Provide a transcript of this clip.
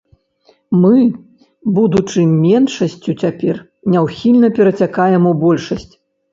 Мы, будучы меншасцю цяпер, няўхільна перацякаем у большасць.